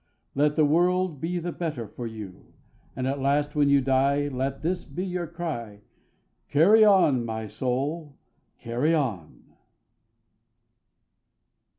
Let the world be the better for you; And at last when you die, let this be your cry: _CARRY ON, MY SOUL! CARRY ON!